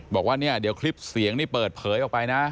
บอกว่าเนี่ยเดี๋ยวคลิปเสียงนี่เปิดเผยออกไปนะ